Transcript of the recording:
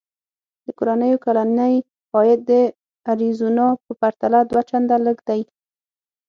د کورنیو کلنی عاید د اریزونا په پرتله دوه چنده لږ دی.